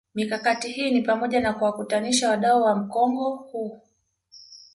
Mikakati hii ni pamoja na kuwakutanisha wadau wa mkongo huu